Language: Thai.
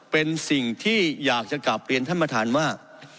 เป็นสิ่งที่อยากจะกลับเรียนท่านประธานว่า